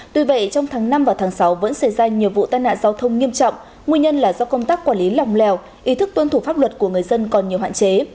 tuy vậy trong tháng năm và tháng sáu vẫn xảy ra nhiều vụ tai nạn giao thông nghiêm trọng nguyên nhân là do công tác quản lý lòng lèo ý thức tuân thủ pháp luật của người dân còn nhiều hạn chế